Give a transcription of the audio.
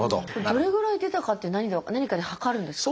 どれぐらい出たかって何かで量るんですか？